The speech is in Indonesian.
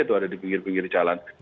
itu ada di pinggir pinggir jalan